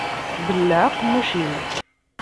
Belleɛ aqemmuc-im.